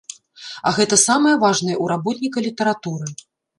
А гэта самае важнае ў работніка літаратуры.